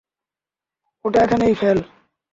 ওটা এখানেই ফেল।